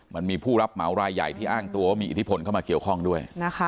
มันมีผู้รับเหมารายใหญ่ที่อ้างตัวว่ามีอิทธิพลเข้ามาเกี่ยวข้องด้วย